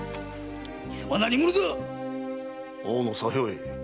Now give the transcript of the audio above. きさま何者だ⁉大野左兵衛。